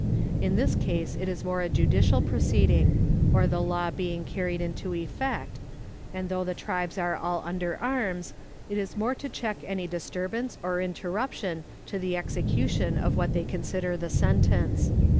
In this case it is more a judicial proceeding, or the law being carried into effect, and though the tribes are all under arms it is more to check any disturbance or interruption to the execution of what they consider the sentence.